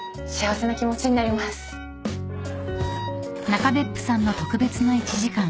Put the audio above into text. ［中別府さんの特別な１時間］